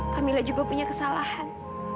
kamila juga punya kesalahan